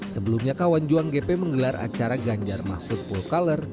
sebelumnya kawan juang gp menggelar acara ganjar mahfud full color